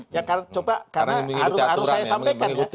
ya coba karena harus saya sampaikan ya